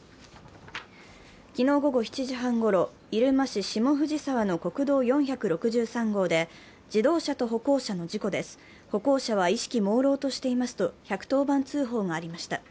昨日午後７時半ごろ、入間市下藤沢の国道４６３号で、自動車と歩行者の事故です、歩行者は意識もうろうとしていますと１１０番通報がありました。